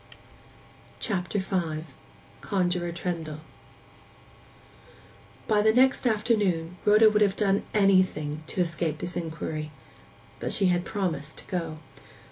CHAPTER V—CONJUROR TRENDLE By the next afternoon Rhoda would have done anything to escape this inquiry. But she had promised to go.